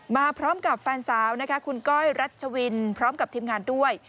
มาพร้อมกับแฟนสาวนะคะคุณก้อยรัชวินพร้อมกับทีมงานด้วย